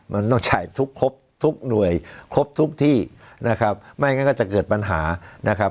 มันต้องใช้ทุกครบทุกหน่วยครบทุกที่นะครับไม่งั้นก็จะเกิดปัญหานะครับ